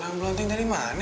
blonk blonking dari mana